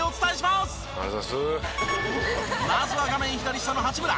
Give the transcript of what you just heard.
まずは画面左下の八村。